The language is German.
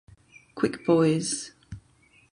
Quick Boys.